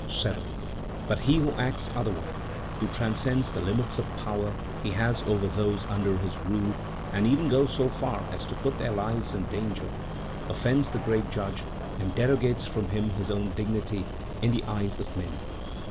7. "But he who acts otherwise, who transcends the limits of power he has over those under his rule, and even goes so far as to put their lives in danger, offends the great Judge and derogates from his own dignity in the eyes of men."